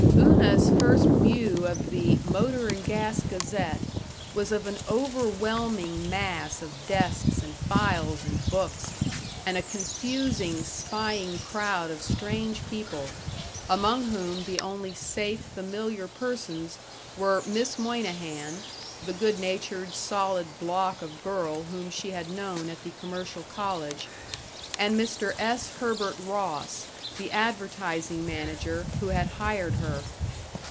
§ 3 Una's first view of the Motor and Gas Gazette was of an overwhelming mass of desks and files and books, and a confusing, spying crowd of strange people, among whom the only safe, familiar persons were Miss Moynihan, the good natured solid block of girl whom she had known at the commercial college, and Mr. S. Herbert Ross, the advertising manager, who had hired her.